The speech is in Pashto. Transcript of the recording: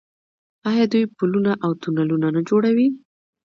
آیا دوی پلونه او تونلونه نه جوړوي؟